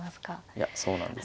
いやそうなんですよね。